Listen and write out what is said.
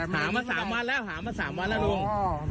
หามา๓วันแล้วหามา๓วันแล้วลุง